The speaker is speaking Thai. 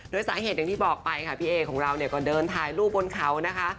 โดยสาเหตุอย่างที่บอกไปค่ะพี่เอของเราเนี่ยก็เดินถ่ายรูปบนเขานะคะ